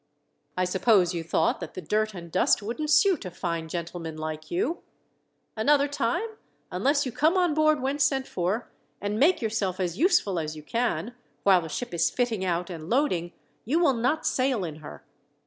I suppose you thought that the dirt and dust wouldn't suit a fine gentleman like you! Another time, unless you come on board when sent for, and make yourself as useful as you can, while the ship is fitting out and loading, you will not sail in her.